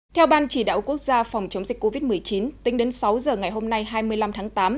theo ban chỉ đạo quốc gia phòng chống dịch covid một mươi chín tính đến sáu giờ ngày hôm nay hai mươi năm tháng tám